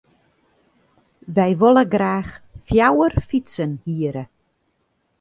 Wy wolle graach fjouwer fytsen hiere.